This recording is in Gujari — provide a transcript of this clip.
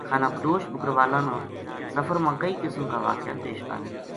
ِِِخانہ بدوش بکروالاں نا سفر ماکئی قِسم کا واقعہ پیش آوے